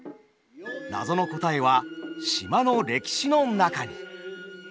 謎の答えは島の歴史の中に。